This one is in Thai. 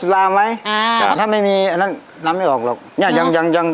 ลำไม่ออกหรอกนี่ยัง